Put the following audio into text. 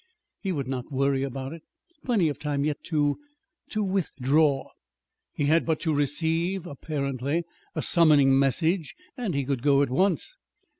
He would not worry about it. Plenty of time yet to to withdraw. He had but to receive (apparently) a summoning message, and he could go at once.